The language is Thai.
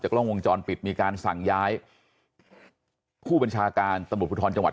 จากล่องวงจอนปิดมีการสั่งย้ายคู่บัญชาการตมติพุทธรจังหวัด